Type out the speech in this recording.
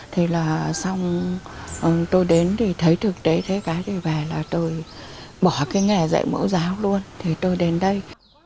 thì là xong tôi đến thì thấy thực tế thế cái thì về là tôi bỏ cái nghề dạy mẫu giáo luôn thì tôi đến đây